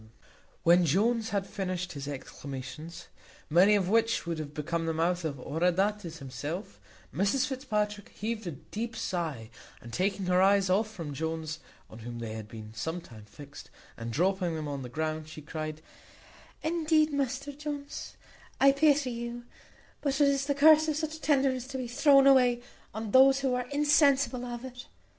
When Jones had finished his exclamations, many of which would have become the mouth of Oroöndates himself, Mrs Fitzpatrick heaved a deep sigh, and, taking her eyes off from Jones, on whom they had been some time fixed, and dropping them on the ground, she cried, "Indeed, Mr Jones, I pity you; but it is the curse of such tenderness to be thrown away on those who are insensible of it.